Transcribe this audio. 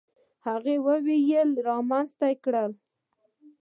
هغه ولې یې رامنځته کړه؟